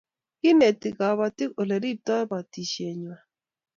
Kineti kabatik ole rptoi batishet ngwai